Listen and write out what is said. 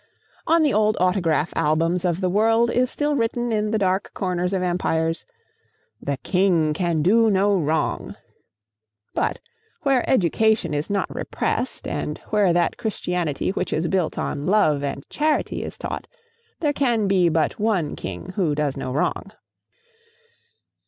On the old autograph albums of the world is still written in the dark corners of empires, "the king can do no wrong." But where education is not repressed, and where that Christianity which is built on love and charity is taught, there can be but one King who does no wrong.